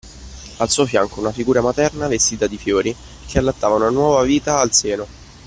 Al suo fianco una figura materna, vestita di fiori, che allattava una nuova vita al seno